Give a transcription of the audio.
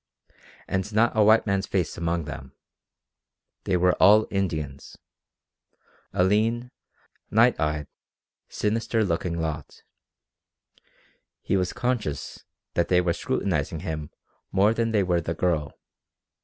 And not a white man's face among them. They were all Indians. A lean, night eyed, sinister looking lot. He was conscious that they were scrutinizing him more than they were the girl.